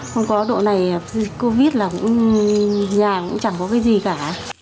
không có độ này covid là cũng nhà cũng chẳng có cái gì cả